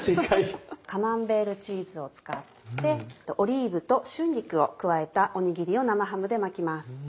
カマンベールチーズを使ってオリーブと春菊を加えたおにぎりを生ハムで巻きます。